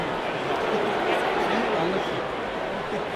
Em aliqîn.